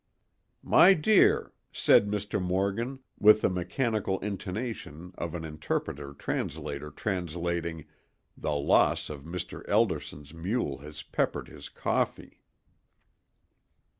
"My dear," said Mr. Morgan, with the mechanical intonation of an interpreter translating, "the loss of Mr. Elderson's mule has peppered his coffee."